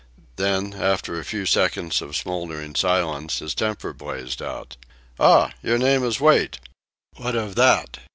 Then, after a few seconds of smouldering silence, his temper blazed out. "Ah! Your name is Wait. What of that?